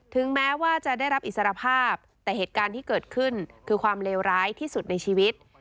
แม้ว่าจะได้รับอิสรภาพแต่เหตุการณ์ที่เกิดขึ้นคือความเลวร้ายที่สุดในชีวิต